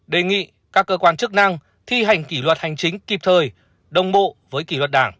đề nghị các cơ quan chức năng thi hành kỷ luật hành chính kịp thời đồng bộ với kỷ luật đảng